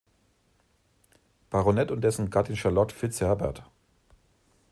Baronet, und dessen Gattin Charlotte Fitzherbert.